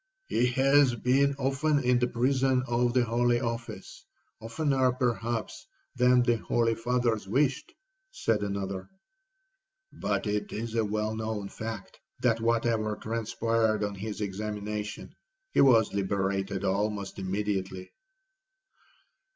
'—'He has been often in the prison of the holy office—oftener, perhaps, than the holy fathers wished,' said another. 'But it is a well known fact, that whatever transpired on his examination, he was liberated almost immediately.'